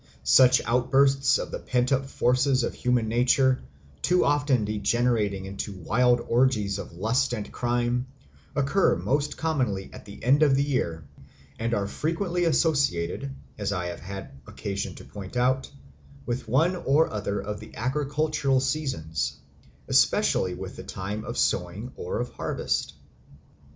Such outbursts of the pent up forces of human nature, too often degenerating into wild orgies of lust and crime, occur most commonly at the end of the year, and are frequently associated, as I have had occasion to point out, with one or other of the agricultural seasons, especially with the time of sowing or of harvest.